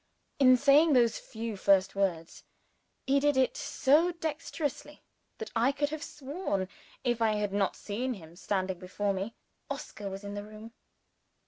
In saying those few first words, he did it so dexterously that I could have sworn if I had not seen him standing before me Oscar was in the room.